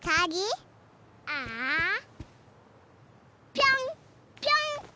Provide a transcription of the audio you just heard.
ぴょんぴょん。